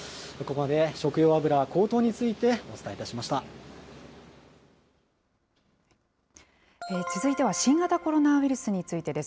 ここまで食用油高騰について続いては新型コロナウイルスについてです。